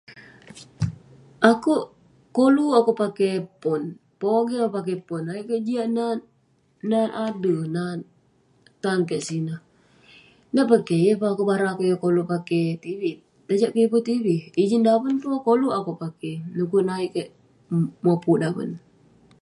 Akouk koluk akouk pakey pon, pogeng akouk pakey pon, ayuk kik jiak nat, nat ade, nat tan kik sineh..nak peh keh, yeng pun akouk barak yeng koluk pakey tv,tajak kik yeng pun tv..ijin daven peh, koluk peh akouk pakey du'kuk neh ayuk kik mopuk daven